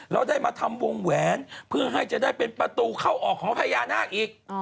เราได้มาทำวงแหวนเพื่อให้จะได้เป็นประตูเข้าออกของพญานาคอีก